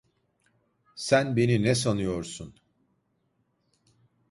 Sen beni ne sanıyorsun?